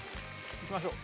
いきましょう。